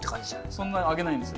そんなあげないんですよ。